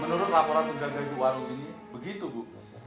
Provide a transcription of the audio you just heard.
menurut laporan penjaga di warung ini begitu bu